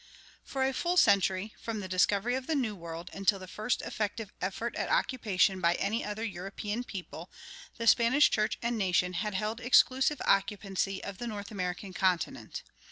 For a full century, from the discovery of the New World until the first effective effort at occupation by any other European people, the Spanish church and nation had held exclusive occupancy of the North American continent.